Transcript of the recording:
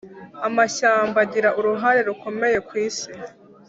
Amashyamba agira uruhare rukomeye kwisi.